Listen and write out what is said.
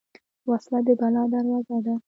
وسله د بلا دروازه ده